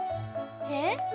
えっ？